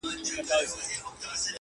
o نېکي زوال نه لري٫